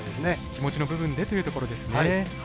気持ちの部分でというところですね。